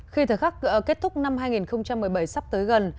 khi thời khắc kết thúc năm hai nghìn một mươi bảy sắp tới gần